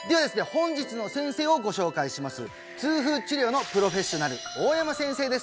本日の先生をご紹介します痛風治療のプロフェッショナル大山先生です